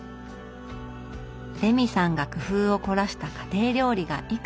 レミさんが工夫を凝らした家庭料理がいくつも載っています。